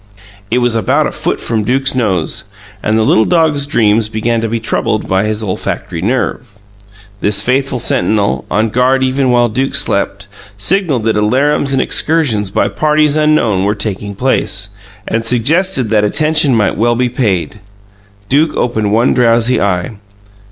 It was about a foot from Duke's nose, and the little dog's dreams began to be troubled by his olfactory nerve. This faithful sentinel, on guard even while Duke slept, signalled that alarums and excursions by parties unknown were taking place, and suggested that attention might well be paid. Duke opened one drowsy eye.